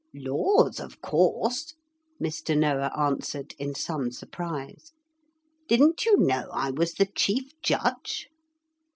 'Laws, of course,' Mr. Noah answered in some surprise. 'Didn't you know I was the Chief Judge?'